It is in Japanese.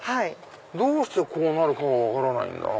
どうしてこうなるかが分からないんだな。